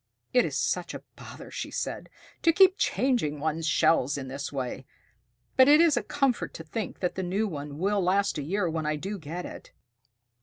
"It is such a bother," she said, "to keep changing one's shell in this way, but it is a comfort to think that the new one will last a year when I do get it."